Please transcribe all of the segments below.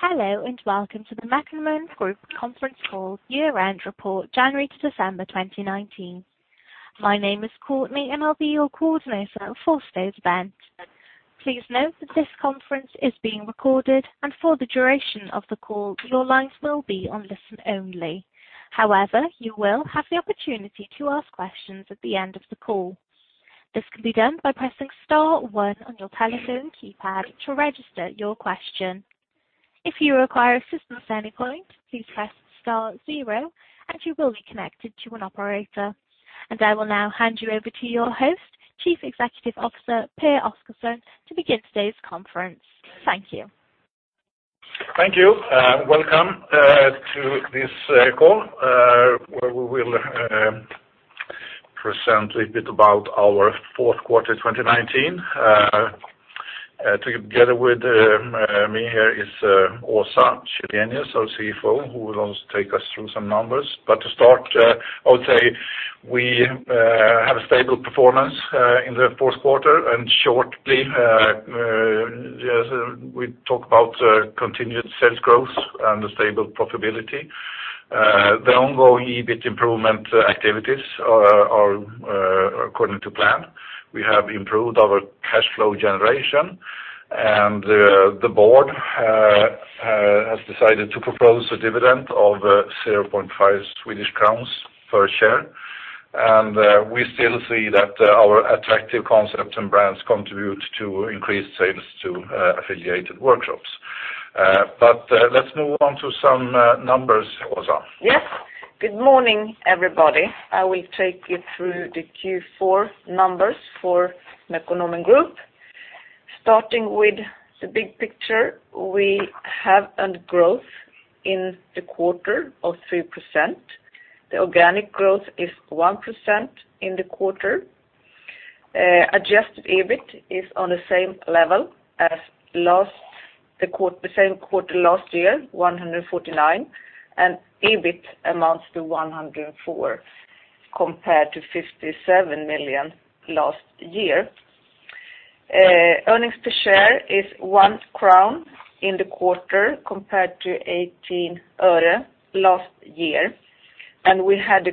Hello, welcome to the Mekonomen Group conference call, year-end report January to December 2019. My name is Courtney, and I'll be your coordinator for today's event. Please note that this conference is being recorded, and for the duration of the call, your lines will be on listen-only. However, you will have the opportunity to ask questions at the end of the call. This can be done by pressing star one on your telephone keypad to register your question. If you require assistance at any point, please press star zero, and you will be connected to an operator. I will now hand you over to your host, Chief Executive Officer Pehr Oscarson, to begin today's conference. Thank you. Thank you. Welcome to this call, where we will present a bit about our fourth quarter 2019. Together with me here is Åsa Källenius, our CFO, who will also take us through some numbers. To start, I would say we have a stable performance in the fourth quarter. Shortly, we talk about continued sales growth and a stable profitability. The ongoing EBIT improvement activities are according to plan. We have improved our cash flow generation, and the board has decided to propose a dividend of 0.5 Swedish crowns per share. We still see that our attractive concepts and brands contribute to increased sales to affiliated workshops. Let's move on to some numbers, Åsa. Yes. Good morning, everybody. I will take you through the Q4 numbers for Mekonomen Group. Starting with the big picture, we have earned growth in the quarter of 3%. The organic growth is 1% in the quarter. Adjusted EBIT is on the same level as the same quarter last year, 149 million, and EBIT amounts to 104 million, compared to 57 million last year. Earnings per share is 1 crown in the quarter, compared to SEK 0.18 last year. We had a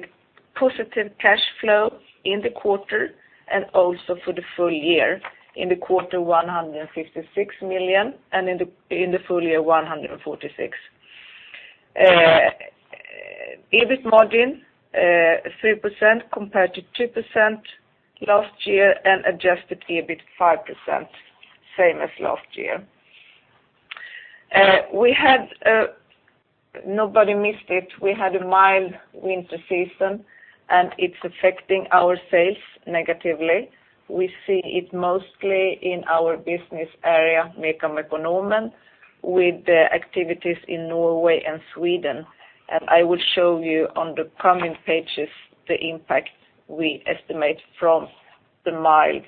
positive cash flow in the quarter and also for the full year. In the quarter, 156 million, and in the full year, 146 million. EBIT margin 3% compared to 2% last year, and adjusted EBIT 5%, same as last year. Nobody missed it. We had a mild winter season, and it's affecting our sales negatively. We see it mostly in our business area, MECA/Mekonomen, with the activities in Norway and Sweden. I will show you on the coming pages the impact we estimate from the mild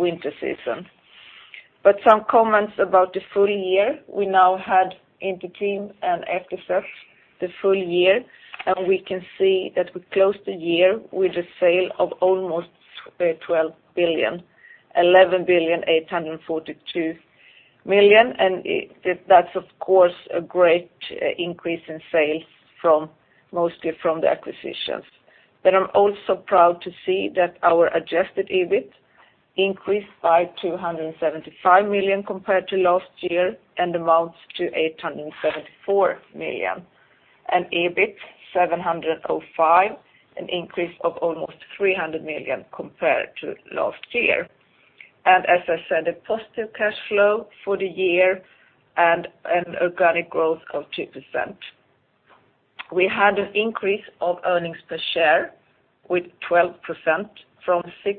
winter season. Some comments about the full year. We now had Inter-Team and FTZ the full year, we can see that we closed the year with a sale of almost 12 billion, 11,842,000,000. That's, of course, a great increase in sales mostly from the acquisitions. I'm also proud to see that our adjusted EBIT increased by 275 million compared to last year and amounts to 874 million. EBIT 705 million, an increase of almost 300 million compared to last year. As I said, a positive cash flow for the year and an organic growth of 2%. We had an increase of earnings per share with 12% from 6.56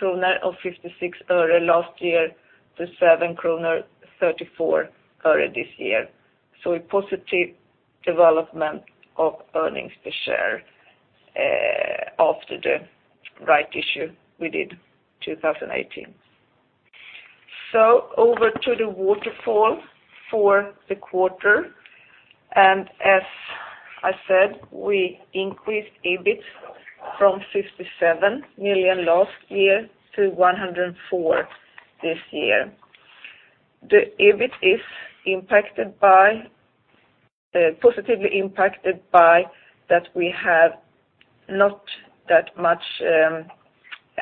kronor last year to 7.34 kronor this year. A positive development of earnings per share after the rights issue we did 2018. Over to the waterfall for the quarter. As I said, we increased EBIT from 57 million last year to 104 million this year. The EBIT is positively impacted by that we have not that much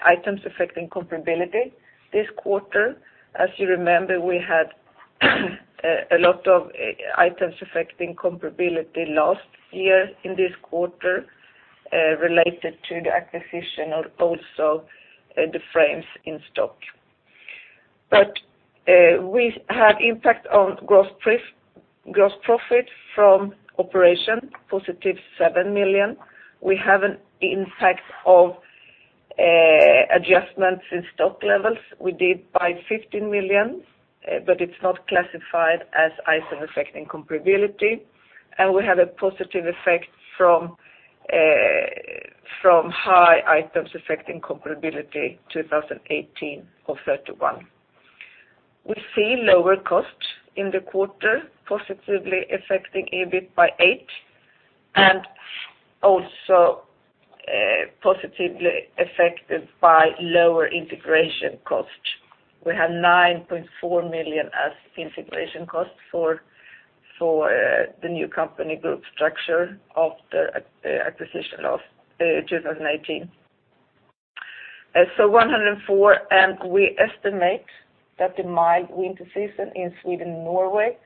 items affecting comparability this quarter. As you remember, we had a lot of items affecting comparability last year in this quarter related to the acquisition of also the frames in stock. We had impact on gross profit from operation, positive 7 million. We have an impact of adjustments in stock levels we did by 15 million, but it's not classified as item affecting comparability. We have a positive effect from high items affecting comparability 2018 of 31 million. We see lower costs in the quarter, positively affecting EBIT by SEK 8 million, positively affected by lower integration costs. We had 9.4 million as integration costs for the new company group structure of the acquisition of 2019. 104 million. We estimate that the mild winter season in Sweden and Norway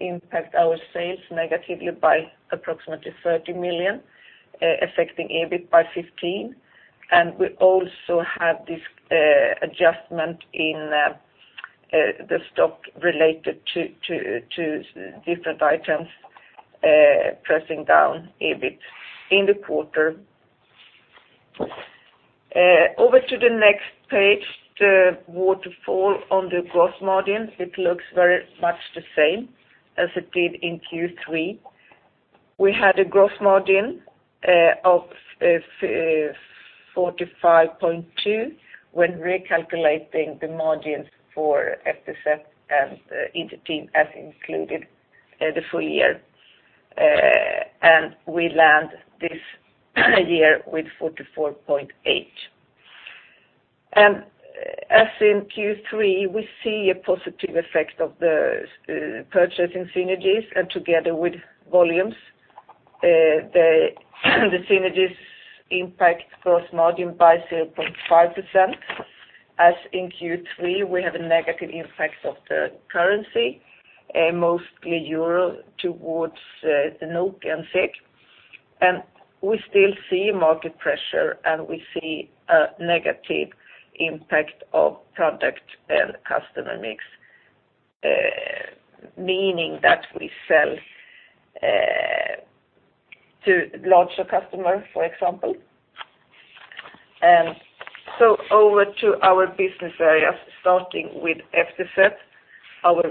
impact our sales negatively by approximately 30 million, affecting EBIT by 15 million. We also have this adjustment in the stock related to different items pressing down EBIT in the quarter. Over to the next page, the waterfall on the gross margin, it looks very much the same as it did in Q3. We had a gross margin of 45.2% when recalculating the margins for FTZ and Inter-Team as included the full year. We land this year with 44.8%. As in Q3, we see a positive effect of the purchasing synergies and together with volumes. The synergies impact gross margin by 0.5%. As in Q3, we have a negative impact of the currency, mostly EUR towards the NOK and SEK. We still see market pressure, and we see a negative impact of product and customer mix, meaning that we sell to larger customers, for example. Over to our business areas, starting with FTZ, our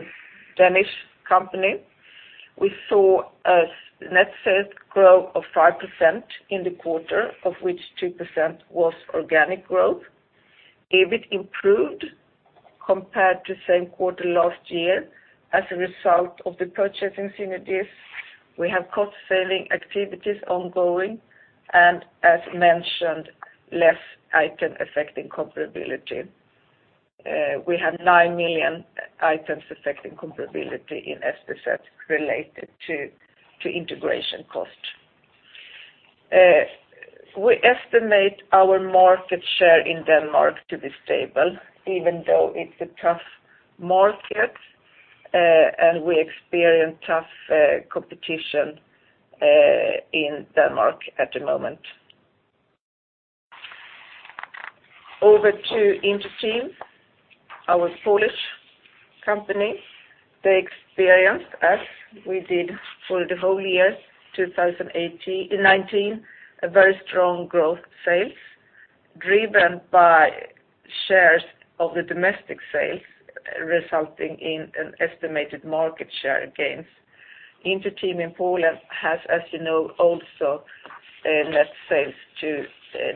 Danish company. We saw a net sales growth of 5% in the quarter, of which 2% was organic growth. EBIT improved compared to same quarter last year as a result of the purchasing synergies. We have cost-saving activities ongoing and, as mentioned, less item affecting comparability. We have nine million items affecting comparability in FTZ related to integration cost. We estimate our market share in Denmark to be stable, even though it's a tough market, and we experience tough competition in Denmark at the moment. Over to Inter-Team, our Polish company. They experienced, as we did for the whole year 2019, a very strong growth sales driven by shares of the domestic sales, resulting in an estimated market share gains. Inter-Team in Poland has, as you know, also a net sales to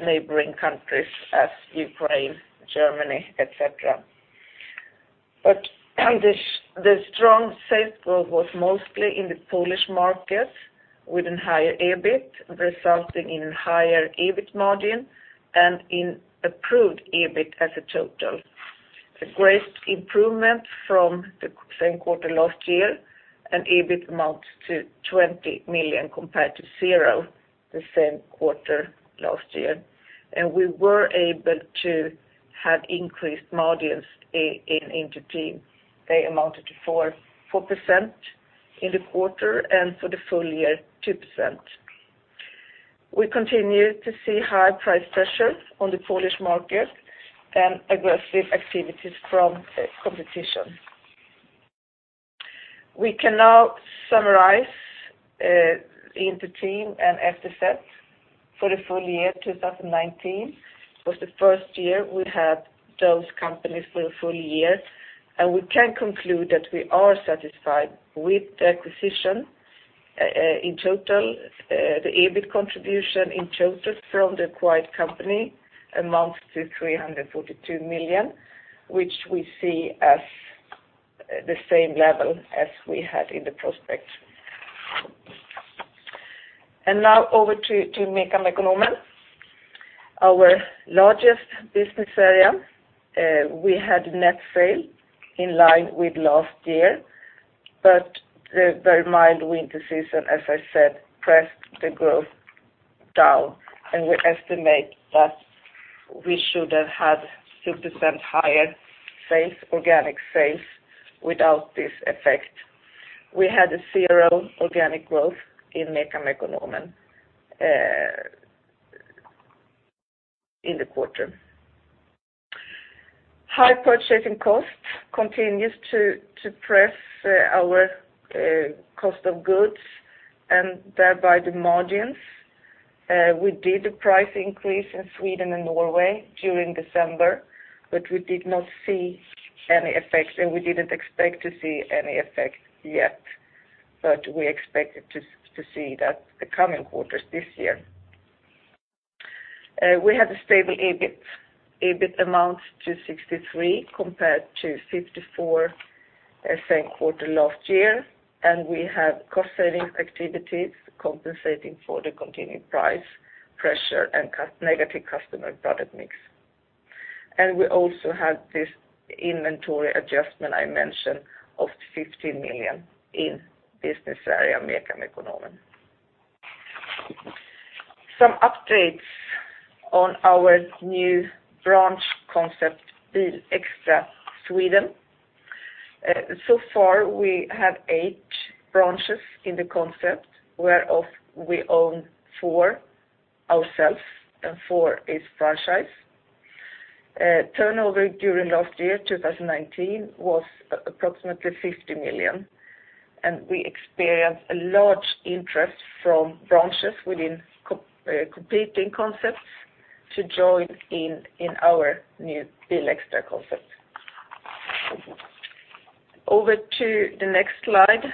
neighboring countries as Ukraine, Germany, et cetera. The strong sales growth was mostly in the Polish market with a higher EBIT, resulting in a higher EBIT margin and in improved EBIT as a total. The greatest improvement from the same quarter last year. EBIT amounts to 20 million compared to zero the same quarter last year. We were able to have increased margins in Inter-Team. They amounted to 4% in the quarter and for the full year, 2%. We continue to see high price pressure on the Polish market and aggressive activities from competition. We can now summarize Inter-Team and FTZ for the full year 2019. It was the first year we had those companies for a full year. We can conclude that we are satisfied with the acquisition. In total, the EBIT contribution in total from the acquired company amounts to 342 million, which we see as the same level as we had in the prospect. Now over to MECA/Mekonomen, our largest business area. We had net sale in line with last year. The very mild winter season, as I said, pressed the growth down. We estimate that we should have had 2% higher organic sales without this effect. We had zero organic growth in MECA/Mekonomen in the quarter. High purchasing costs continues to press our cost of goods and thereby the margins. We did a price increase in Sweden and Norway during December, we did not see any effect, and we didn't expect to see any effect yet. We expect to see that the coming quarters this year. We have a stable EBIT. EBIT amounts to 63 million compared to 54 million. The same quarter last year, and we have cost saving activities compensating for the continued price pressure and negative customer product mix. We also have this inventory adjustment I mentioned of 15 million in business area MECA/Mekonomen. Some updates on our new branch concept, BilXtra Sweden. So far, we have eight branches in the concept, whereof we own four ourselves and four is franchise. Turnover during last year, 2019, was approximately 50 million. We experienced a large interest from branches within competing concepts to join in our new BilXtra concept. Over to the next slide,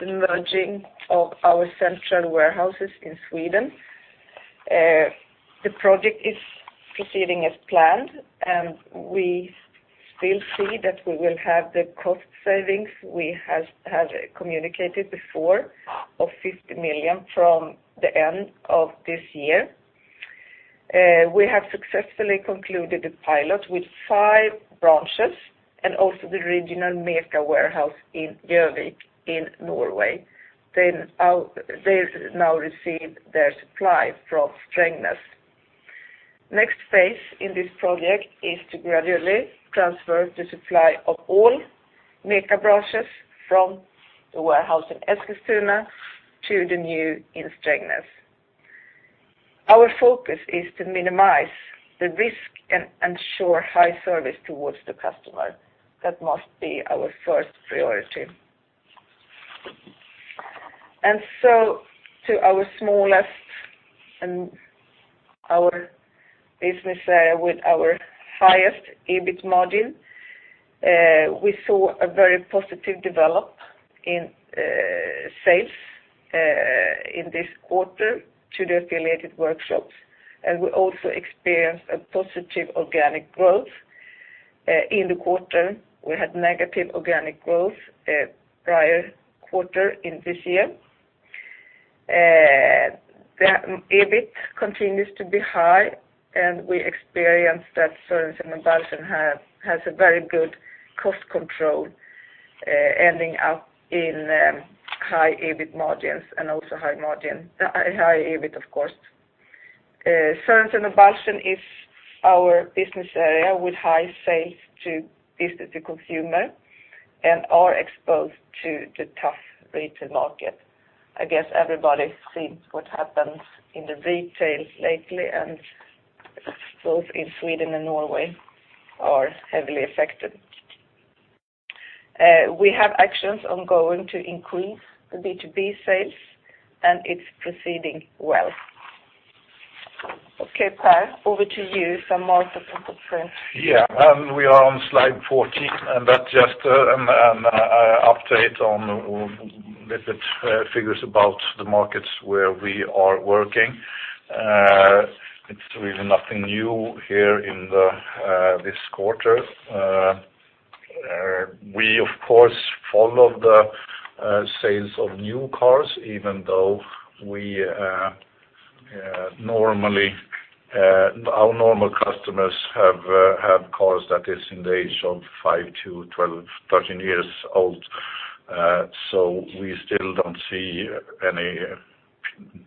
the merging of our central warehouses in Sweden. The project is proceeding as planned. We still see that we will have the cost savings we have communicated before of 50 million from the end of this year. We have successfully concluded the pilot with five branches and also the regional MECA warehouse in Gjøvik in Norway. They now receive their supply from Strängnäs. Next phase in this project is to gradually transfer the supply of all MECA branches from the warehouse in Eskilstuna to the new in Strängnäs. Our focus is to minimize the risk and ensure high service towards the customer. That must be our first priority. To our smallest and our business area with our highest EBIT margin. We saw a very positive development in sales in this quarter to the affiliated workshops, and we also experienced a positive organic growth in the quarter. We had negative organic growth prior quarter in this year. The EBIT continues to be high, and we experienced that Sørensen og Balchen has a very good cost control, ending up in high EBIT margins and also high EBIT of course. Sørensen og Balchen is our business area with high sales to business to consumer and are exposed to the tough retail market. I guess everybody sees what happens in the retail lately and both in Sweden and Norway are heavily affected. We have actions ongoing to increase the B2B sales and it's proceeding well. Okay, Pehr, over to you for more specific things. We are on slide 14 and that just an update on little bit figures about the markets where we are working. It's really nothing new here in this quarter. We of course follow the sales of new cars even though our normal customers have cars that is in the age of 5-12, 13 years old. We still don't see any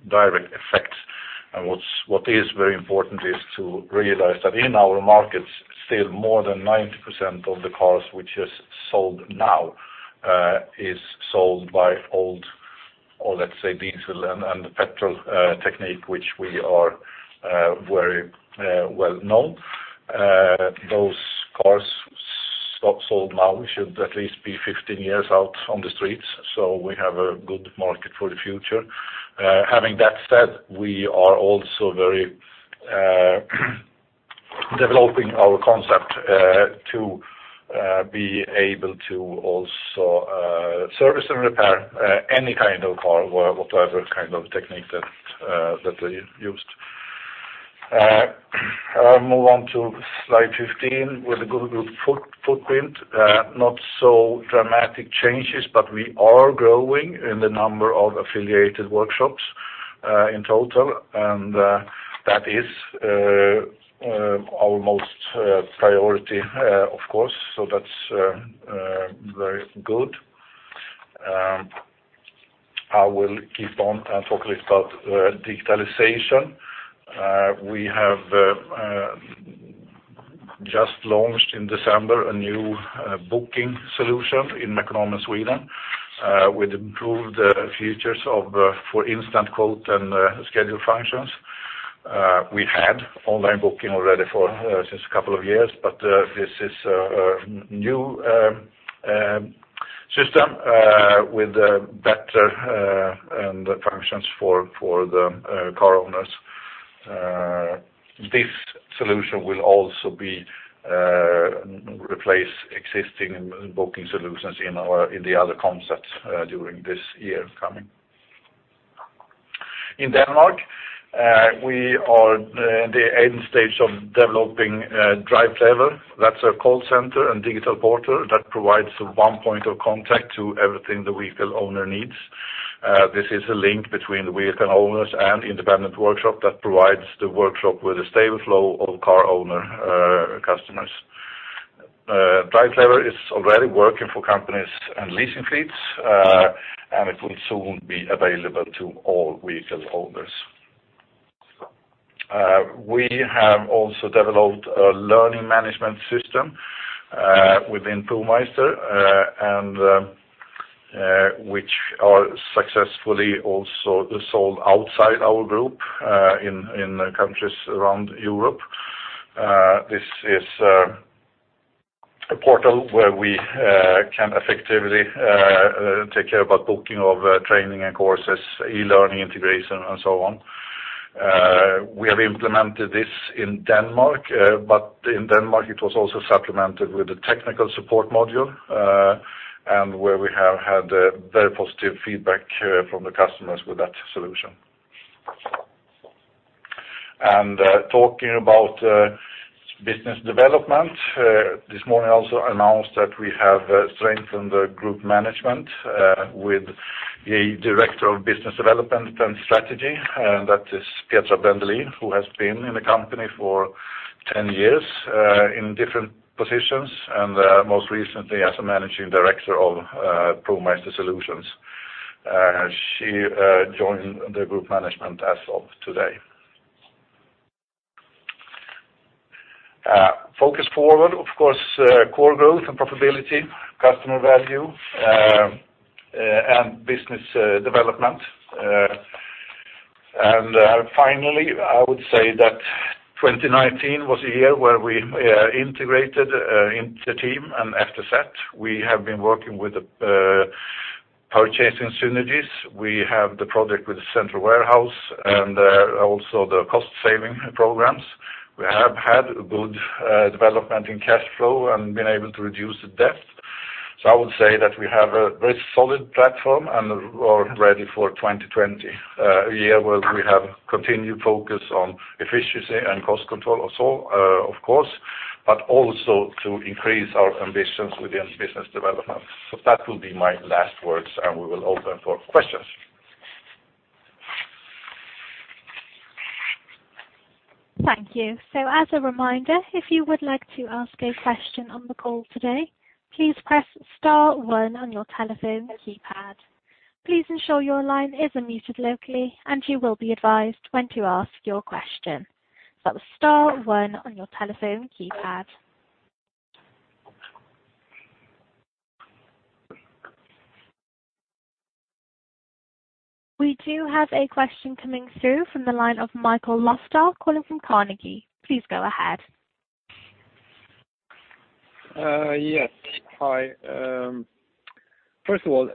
direct effect. What is very important is to realize that in our markets still more than 90% of the cars which is sold now is sold by old or let's say diesel and petrol technique which we are very well known. Those cars sold now should at least be 15 years out on the streets, so we have a good market for the future. Having that said, we are also very developing our concept to be able to also service and repair any kind of car or whatever kind of technique that they used. I'll move on to slide 15 with the Google footprint. Not so dramatic changes. We are growing in the number of affiliated workshops in total and that is our most priority, of course. That's very good. I will keep on and talk a little about digitalization. We have just launched in December a new booking solution in Mekonomen Sweden with improved features for instant quote and schedule functions. We had online booking already since a couple of years, but this is a new system with better functions for the car owners. This solution will also replace existing booking solutions in the other concepts during this year coming. In Denmark, we are in the end stage of developing DriveClever. That's a call center and digital portal that provides one point of contact to everything the vehicle owner needs. This is a link between vehicle owners and independent workshop that provides the workshop with a stable flow of car owner customers. DriveClever is already working for companies and leasing fleets, and it will soon be available to all vehicle owners. We have also developed a learning management system within ProMeister, which are successfully also sold outside our group, in the countries around Europe. This is a portal where we can effectively take care about booking of training and courses, e-learning integration and so on. We have implemented this in Denmark, but in Denmark it was also supplemented with a technical support module, and where we have had very positive feedback from the customers with that solution. Talking about business development, this morning I also announced that we have strengthened the group management with a Director of Business Development and Strategy, and that is Petra Bendelin, who has been in the company for 10 years, in different positions, and most recently as a Managing Director of ProMeister Solutions. She joined the group management as of today. Focus forward, of course, core growth and profitability, customer value, and business development. Finally, I would say that 2019 was a year where we integrated Inter-Team and FTZ. We have been working with the purchasing synergies. We have the project with the central warehouse and also the cost saving programs. We have had good development in cash flow and been able to reduce the debt. I would say that we have a very solid platform and are ready for 2020. A year where we have continued focus on efficiency and cost control also, of course, but also to increase our ambitions within business development. That will be my last words, and we will open for questions. Thank you. As a reminder, if you would like to ask a question on the call today, please press star one on your telephone keypad. Please ensure your line is unmuted locally, and you will be advised when to ask your question. Star one on your telephone keypad. We do have a question coming through from the line of Mikael Löfdahl calling from Carnegie. Please go ahead. Yes. Hi. First of all,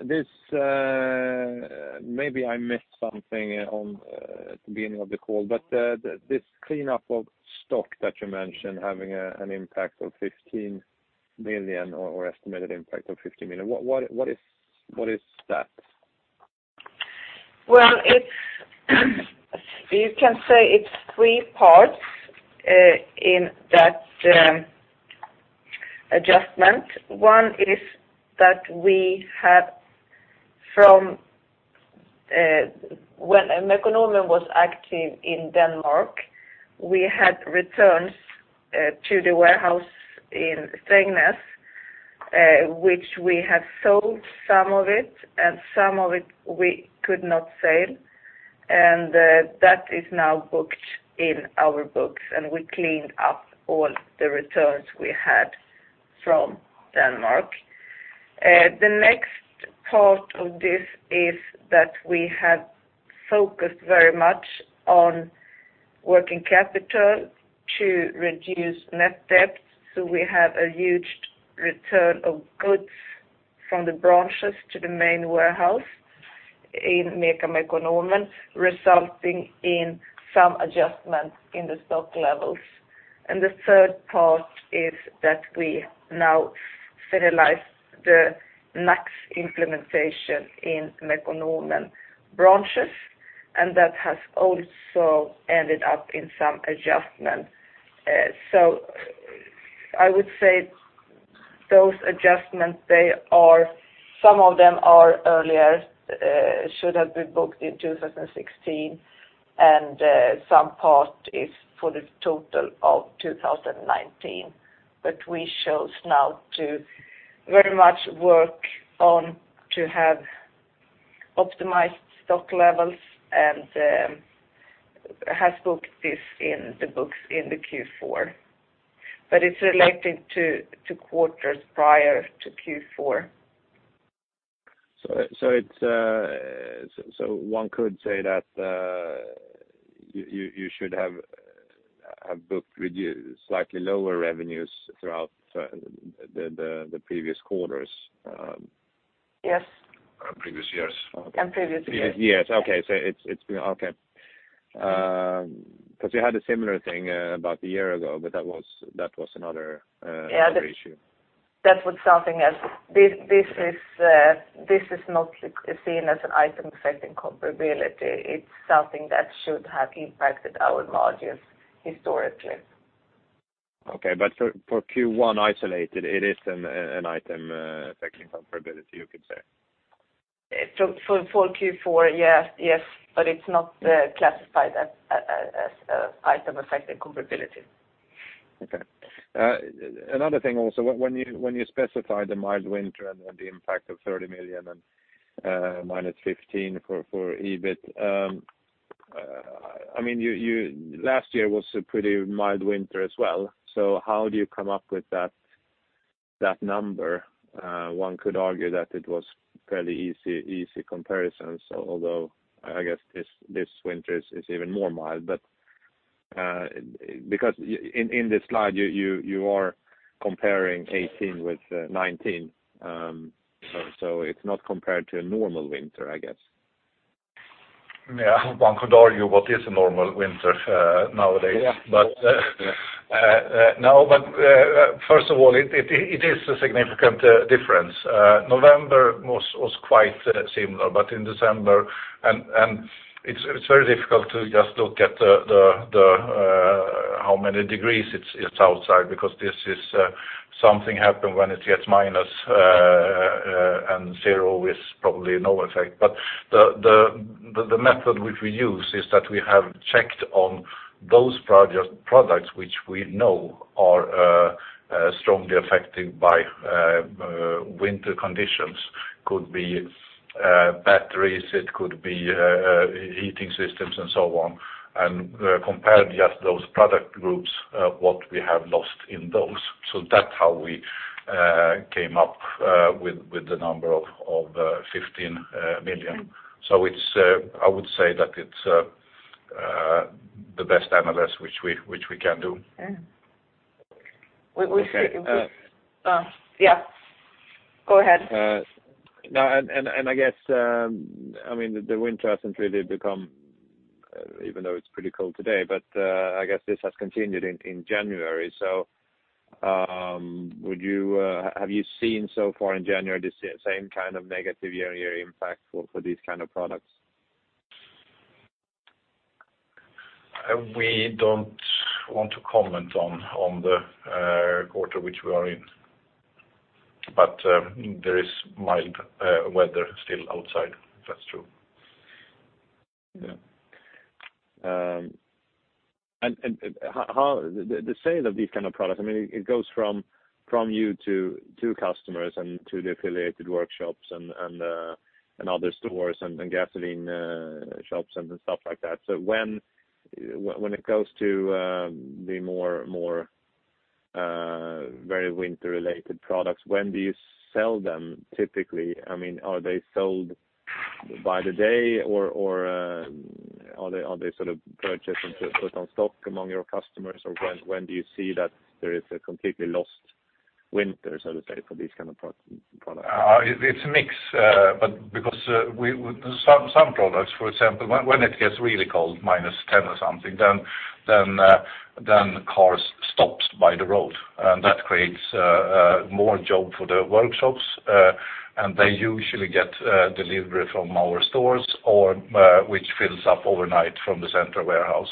maybe I missed something at the beginning of the call, but this cleanup of stock that you mentioned having an impact of 15 million or estimated impact of 15 million, what is that? Well, you can say it's three parts in that adjustment. One is that we had from when Mekonomen was active in Denmark, we had returns to the warehouse in Strängnäs, which we have sold some of it, and some of it we could not sell. That is now booked in our books, and we cleaned up all the returns we had from Denmark. The next part of this is that we have focused very much on working capital to reduce net debt. We have a huge return of goods from the branches to the main warehouse in MECA/Mekonomen, resulting in some adjustment in the stock levels. The third part is that we now finalize the next implementation in Mekonomen branches, and that has also ended up in some adjustment. I would say those adjustments, some of them are earlier, should have been booked in 2016, and some part is for the total of 2019. We chose now to very much work on to have optimized stock levels and have booked this in the books in the Q4. It's relating to quarters prior to Q4. One could say that you should have booked slightly lower revenues throughout the previous quarters? Yes. Previous years. Previous years. Yes. Okay. You had a similar thing about a year ago, but that was another issue. That was something else. This is not seen as an item affecting comparability. It's something that should have impacted our margins historically. Okay. For Q1 isolated, it is an item affecting comparability, you could say. For Q4, yes. It's not classified as item affecting comparability. Okay. Another thing also, when you specified the mild winter and the impact of 30 million and -15 million for EBIT. Last year was a pretty mild winter as well. How do you come up with that number? One could argue that it was fairly easy comparisons, although I guess this winter is even more mild. Because in this slide you are comparing 2018 with 2019. It's not compared to a normal winter, I guess. Yeah. One could argue what is a normal winter nowadays? Yeah. First of all, it is a significant difference. November was quite similar, in December it is very difficult to just look at how many degrees it is outside because something happens when it gets minus, zero is probably no effect. The method which we use is that we have checked on those products which we know are strongly affected by winter conditions. It could be batteries, it could be heating systems and so on. Compared just those product groups, what we have lost in those. That is how we came up with the number of 15 million. I would say that it is the best analysis which we can do. Yeah. Go ahead. I guess the winter hasn't really become, even though it is pretty cold today, but I guess this has continued in January. Have you seen so far in January the same kind of negative year impact for these kind of products? We don't want to comment on the quarter which we are in. There is mild weather still outside, that's true. Yeah. The sale of these kind of products, it goes from you to customers and to the affiliated workshops and other stores and gasoline shops and stuff like that. When it goes to the more very winter-related products, when do you sell them typically? Are they sold by the day or are they sort of purchased and put on stock among your customers, or when do you see that there is a completely lost winter, so to say, for these kind of products? It's a mix, because some products, for example, when it gets really cold, -10°C or something, then cars stops by the road. That creates more job for the workshops. They usually get delivery from our stores, or which fills up overnight from the central warehouse.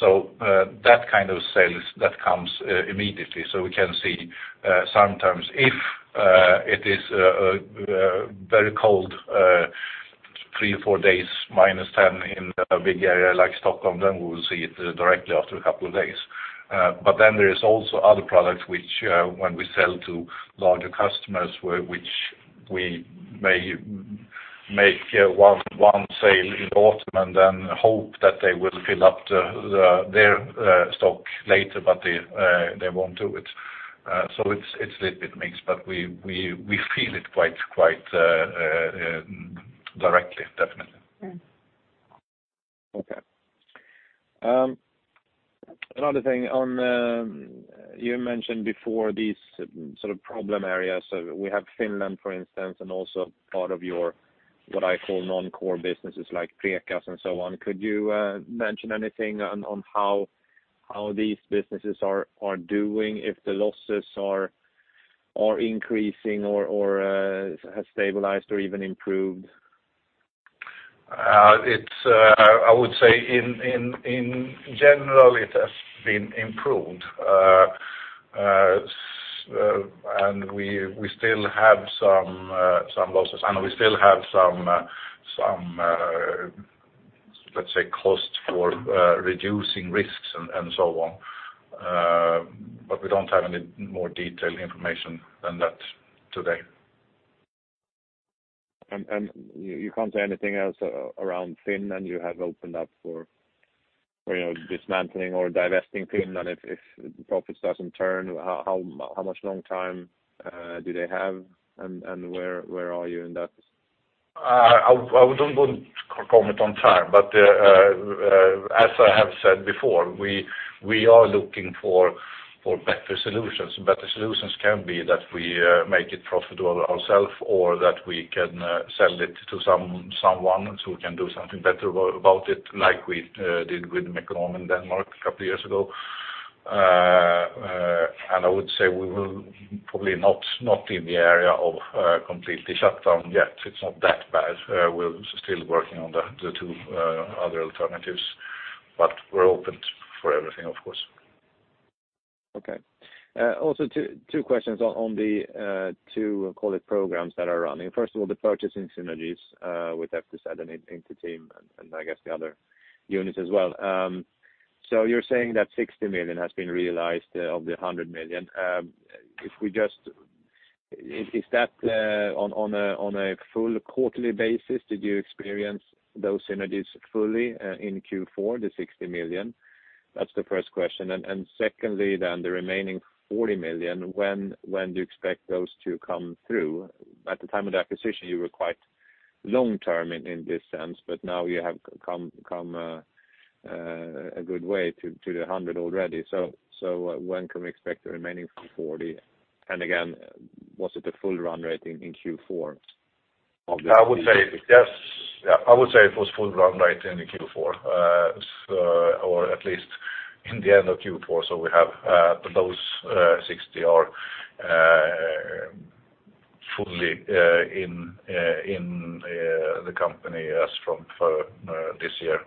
That kind of sales, that comes immediately. We can see sometimes if it is very cold, three or four days, -10°C in a big area like Stockholm, then we will see it directly after a couple of days. There is also other products which, when we sell to larger customers, which we may make one sale in autumn and then hope that they will fill up their stock later. They won't do it. It's a little bit mixed, but we feel it quite directly, definitely. Okay. Another thing, you mentioned before these sort of problem areas. We have Finland, for instance, and also part of your, what I call non-core businesses, like Preqas and so on. Could you mention anything on how these businesses are doing? If the losses are increasing or have stabilized or even improved? I would say in general, it has been improved. We still have some losses, and we still have some, let's say, cost for reducing risks and so on. We don't have any more detailed information than that today. You can't say anything else around Finland you have opened up for dismantling or divesting Finland if the profits doesn't turn, how much long time do they have and where are you in that? I wouldn't want to comment on time, but as I have said before, we are looking for better solutions. Better solutions can be that we make it profitable ourself or that we can sell it to someone who can do something better about it, like we did with Mekonomen Denmark a couple of years ago. I would say we will probably not be in the area of completely shut down yet. It's not that bad. We're still working on the two other alternatives, but we're open for everything, of course. Okay. Two questions on the two, call it programs, that are running. First of all, the purchasing synergies with FTZ and Inter-Team, I guess the other units as well. You're saying that 60 million has been realized of the 100 million. Is that on a full quarterly basis? Did you experience those synergies fully in Q4, the 60 million? That's the first question. Secondly, the remaining 40 million, when do you expect those to come through? At the time of the acquisition, you were quite long-term in this sense, now you have come a good way to the 100 million already. When can we expect the remaining 40 million? Again, was it a full run rate in Q4 of the? I would say yes. I would say it was full run rate in Q4, or at least in the end of Q4. We have those 60 million are fully in the company as from this year,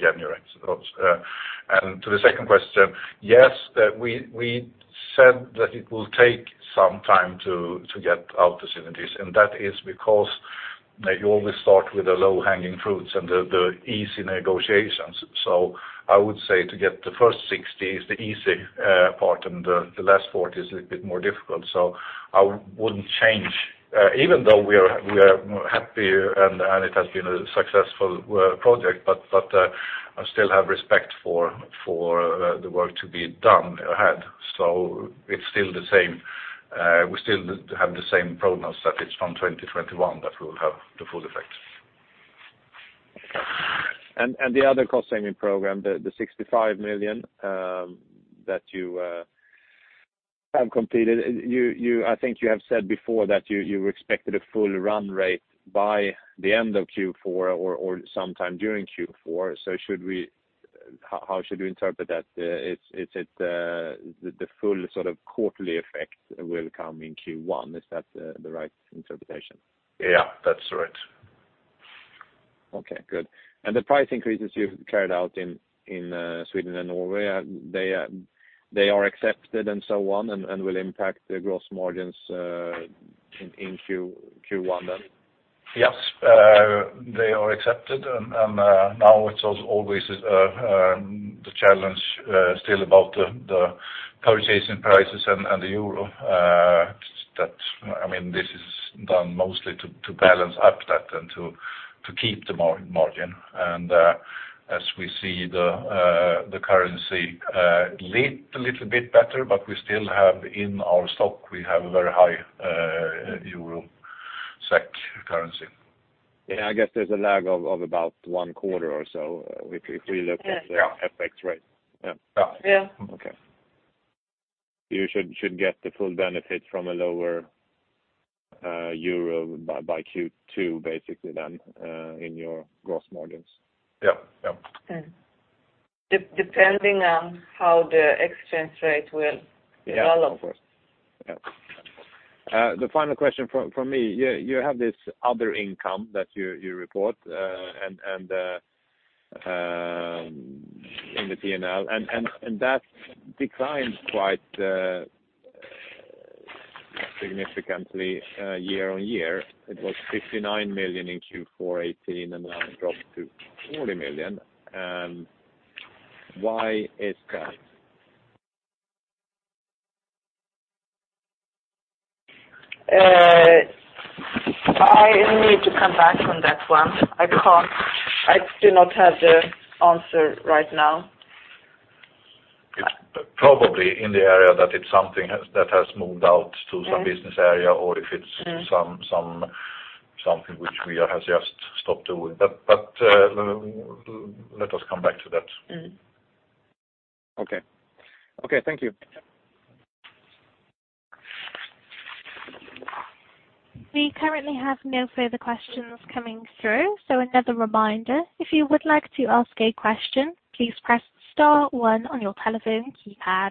January 1st. To the second question, yes, we said that it will take some time to get out the synergies, and that is because you always start with the low-hanging fruits and the easy negotiations. I would say to get the first 60 million is the easy part, and the last 40 million is a bit more difficult. I wouldn't change, even though we are happy and it has been a successful project, but I still have respect for the work to be done ahead. It's still the same. We still have the same that it's from 2021 that we will have the full effect. The other cost-saving program, the 65 million that you have completed, I think you have said before that you expected a full run rate by the end of Q4 or sometime during Q4. How should we interpret that? Is it the full sort of quarterly effect will come in Q1? Is that the right interpretation? Yeah, that's right. Okay, good. The price increases you've carried out in Sweden and Norway, they are accepted and so on and will impact the gross margins in Q1 then? Yes. They are accepted. Now it's always the challenge still about the purchasing prices and the Euro. This is done mostly to balance up that and to keep the margin. As we see the currency little bit better, but we still have in our stock, we have a very high EUR/SEK currency. Yeah, I guess there's a lag of about one quarter or so if we look at the FX rate. Yeah. You should get the full benefit from a lower Euro by Q2 basically then in your gross margins? Yeah. Depending on how the exchange rate will develop. Yeah, of course. The final question from me, you have this other income that you report in the P&L, that declined quite significantly year-on-year. It was 59 million in Q4 2018, now it dropped to 40 million. Why is that? I need to come back on that one. I do not have the answer right now. It's probably in the area that it's something that has moved out to some business area, or if it's something which we have just stopped doing. Let us come back to that. Okay. Thank you. We currently have no further questions coming through. Another reminder, if you would like to ask a question, please press star one on your telephone keypad.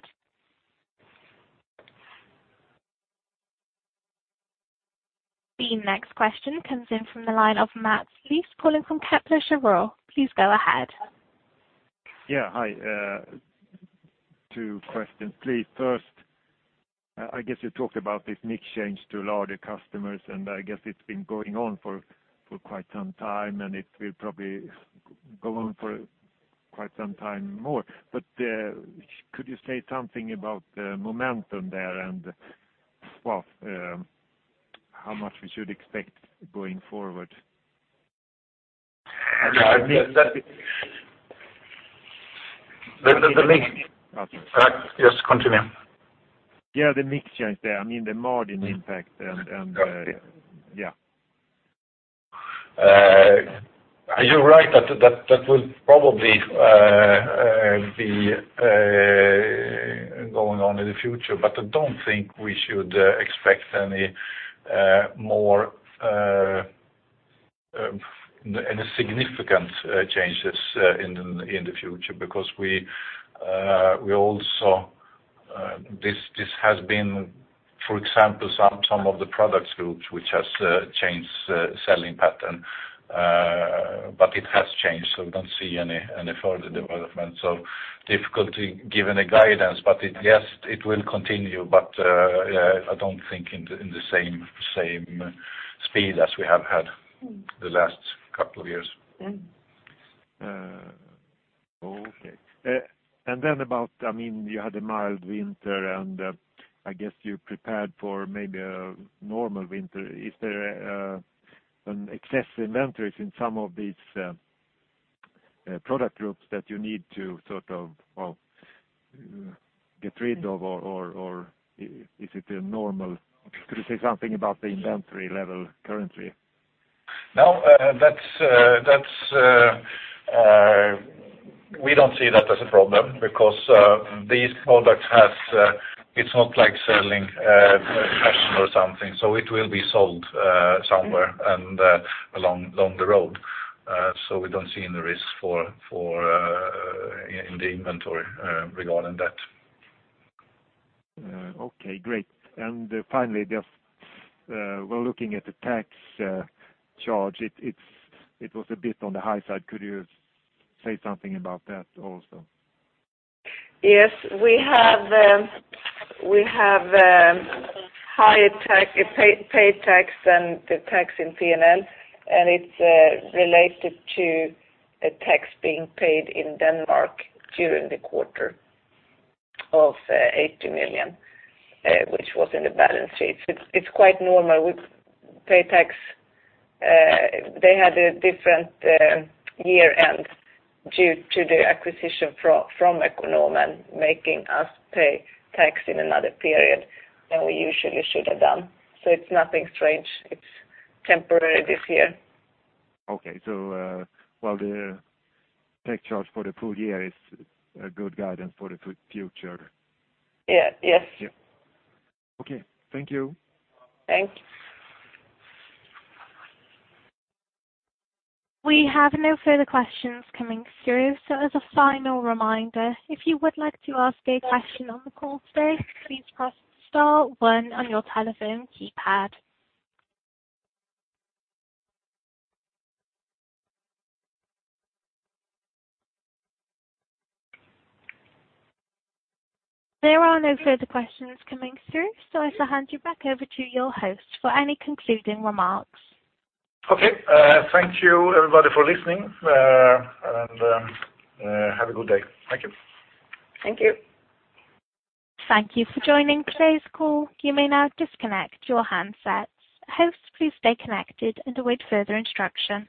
The next question comes in from the line of Mats Liss calling from Kepler Cheuvreux. Please go ahead. Yeah, hi. Two questions, please. First, I guess you talked about this mix change to larger customers. I guess it's been going on for quite some time. It will probably go on for quite some time more. Could you say something about the momentum there and how much we should expect going forward? The mix. The mix change. Okay. Yes, continue. Yeah, the mix change there. I mean the margin impact and yeah. You're right that will probably be going on in the future. I don't think we should expect any more significant changes in the future because this has been, for example, some of the product groups which has changed selling pattern. It has changed. We don't see any further development. Difficult to give any guidance. Yes, it will continue. I don't think in the same speed as we have had the last couple of years. Okay. You had a mild winter, and I guess you prepared for maybe a normal winter. Is there an excess inventory in some of these product groups that you need to get rid of, or is it normal? Could you say something about the inventory level currently? No, we don't see that as a problem because these products, it's not like selling fashion or something. It will be sold somewhere and along the road. We don't see any risk in the inventory regarding that. Okay, great. Finally, just we're looking at the tax charge. It was a bit on the high side. Could you say something about that also? Yes. We have higher paid tax than the tax in P&L. It's related to a tax being paid in Denmark during the quarter of 80 million, which was in the balance sheets. It's quite normal. We pay tax. They had a different year-end due to the acquisition from Mekonomen, making us pay tax in another period than we usually should have done. It's nothing strange. It's temporary this year. Okay. While the tax charge for the full year is a good guidance for the future? Yes. Okay. Thank you. Thanks. We have no further questions coming through, so as a final reminder, if you would like to ask a question on the call today, please press star one on your telephone keypad. There are no further questions coming through, so I shall hand you back over to your host for any concluding remarks. Okay. Thank you, everybody, for listening, and have a good day. Thank you. Thank you. Thank you for joining today's call. You may now disconnect your handsets. Hosts, please stay connected and await further instruction.